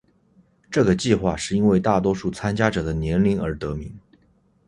这个计画是因为大多数参加者的年龄而得名。